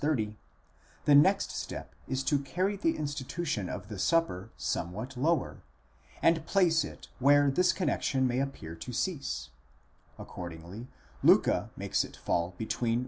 30; the next step is to carry the institution of the Supper somewhat lower, and place it where this connexion may appear to cease: accordingly, Liicke makes it fall between v.